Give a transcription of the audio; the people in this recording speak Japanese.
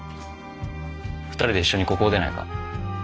２人で一緒にここを出ないか？